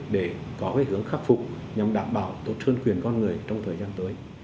để có hướng khắc phục nhằm đảm bảo tốt hơn quyền con người trong thời gian tới